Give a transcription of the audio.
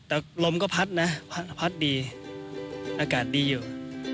แต่ลมก็พัดนะพัดดีอากาศดีอยู่